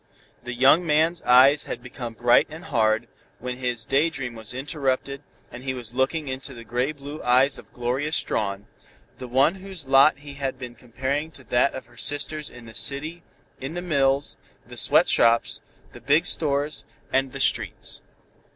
The young man's eyes had become bright and hard, when his day dream was interrupted, and he was looking into the gray blue eyes of Gloria Strawn the one whose lot he had been comparing to that of her sisters in the city, in the mills, the sweatshops, the big stores, and the streets.